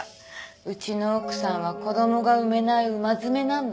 「うちの奥さんは子供が産めないうまずめなんだ」って。